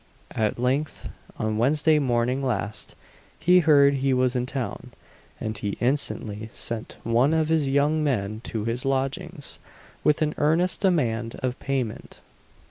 At length, on Wednesday morning last, he heard he was in town, and he instantly sent one of his young men to his lodgings, with an earnest demand of payment.